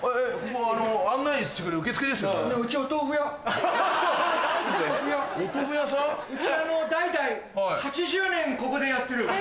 うちは代々８０年ここでやってる。